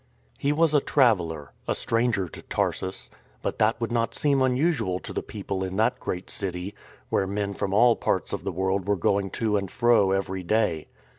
He was a traveller — a stranger to Tarsus ; but that would not seem unusual to the people in that great city, where men from all parts of the world were going to and fro every day.